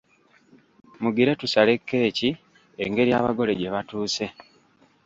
Mugire tusale kkeeki engeri abagole gye batuuse.